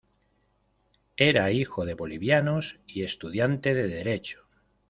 Era hijo de bolivianos y estudiante de derecho.